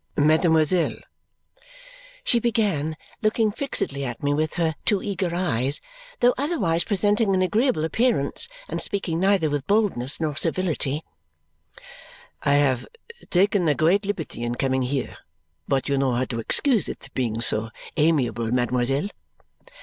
"Mademoiselle," she began, looking fixedly at me with her too eager eyes, though otherwise presenting an agreeable appearance and speaking neither with boldness nor servility, "I have taken a great liberty in coming here, but you know how to excuse it, being so amiable, mademoiselle."